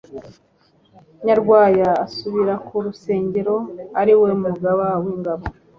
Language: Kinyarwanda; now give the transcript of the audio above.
Nyarwaya asubira kwa Rusengo ari we mugaba w ingabo